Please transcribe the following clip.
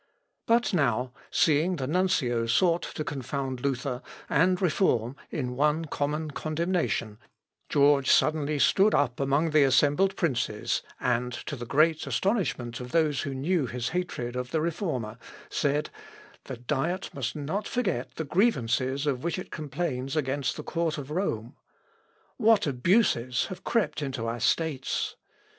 But now, seeing the nuncio sought to confound Luther and reform in one common condemnation, George suddenly stood up among the assembled princes, and, to the great astonishment of those who knew his hatred to the Reformer, said, "The Diet must not forget the grievances of which it complains against the Court of Rome. What abuses have crept into our states!